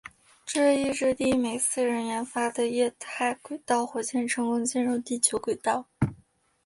这亦是第一枚私人研发的液态轨道火箭成功进入地球轨道。